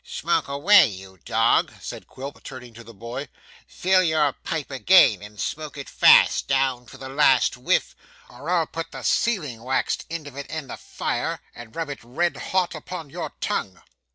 'Smoke away, you dog,' said Quilp, turning to the boy; 'fill your pipe again and smoke it fast, down to the last whiff, or I'll put the sealing waxed end of it in the fire and rub it red hot upon your tongue.